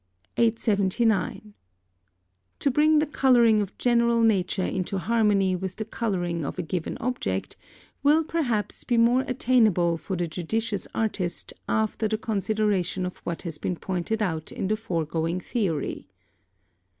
879. To bring the colouring of general nature into harmony with the colouring of a given object, will perhaps be more attainable for the judicious artist after the consideration of what has been pointed out in the foregoing theory.